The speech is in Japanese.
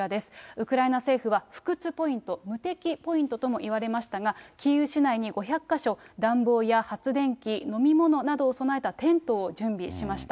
ウクライナ政府は、不屈ポイント、無敵ポイントともいわれましたが、キーウ市内に５００か所、暖房や発電機、飲み物などを備えたテントを準備しました。